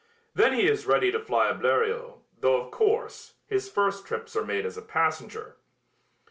Then he is ready to fly a Bleriot, though, of course, his first trips are made as a passenger.